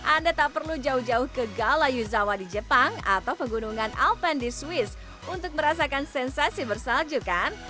anda tak perlu jauh jauh ke galauzawa di jepang atau pegunungan alpen di swiss untuk merasakan sensasi bersalju kan